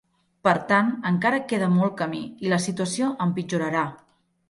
Per tant, encara queda molt camí i la situació empitjorarà.